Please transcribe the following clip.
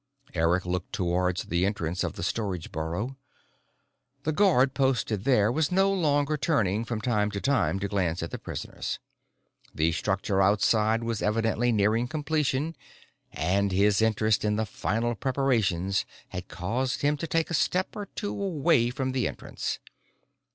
Eric looked towards the entrance of the storage burrow. The guard posted there was no longer turning from time to time to glance at the prisoners. The structure outside was evidently nearing completion, and his interest in the final preparations had caused him to take a step or two away from the entrance.